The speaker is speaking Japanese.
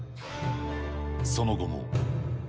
その後も。